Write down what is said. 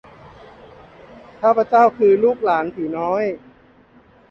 ข้าพเจ้าคือ ลูกหลานผีน้อย